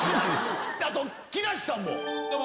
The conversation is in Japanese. あと木梨さんも。